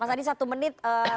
mas adi satu menit